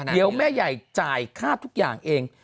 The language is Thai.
เดี๋ยวแม่ใหญ่จ่ายค่าทุกอย่างเอง